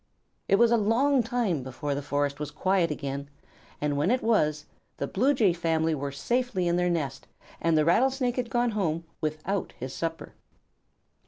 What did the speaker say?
It was a long time before the forest was quiet again, and when it was, the Blue Jay family were safely in their nest, and the Rattlesnake had gone home without his supper.